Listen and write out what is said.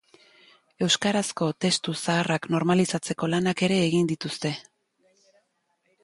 Euskarazko testu zaharrak normalizatzeko lanak ere egin dituzte.